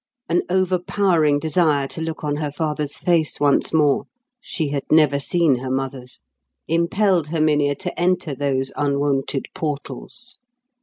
An overpowering desire to look on her father's face once more—she had never seen her mother's—impelled Herminia to enter those unwonted portals.